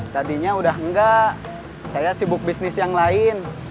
tadinya udah enggak saya sibuk bisnis yang lain